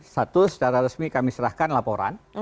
satu secara resmi kami serahkan laporan